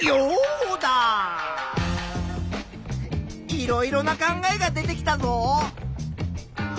いろいろな考えが出てきたぞ。